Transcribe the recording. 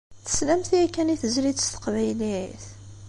Teslamt yakan i tezlit s teqbaylit?